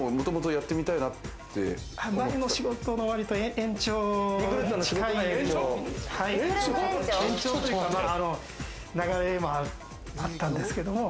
前の仕事の割と延長、流れもあったんですけども。